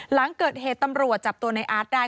หลังเกิดเหตุตำรวจจับตัวในอาร์ตได้